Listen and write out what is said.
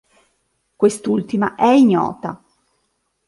Quest'ultima è ignota.